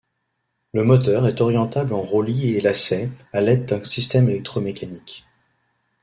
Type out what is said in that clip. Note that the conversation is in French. Le moteur est orientable en roulis et lacet à l'aide d'un système électromécanique.